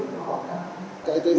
nó cũng là cái chuyện